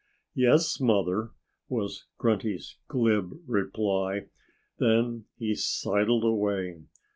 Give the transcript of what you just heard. "Yes, Mother!" was Grunty's glib reply. Then he sidled away.